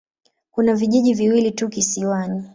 Kuna vijiji viwili tu kisiwani.